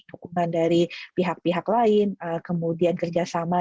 dukungan dari pihak pihak lain kemudian kerjasama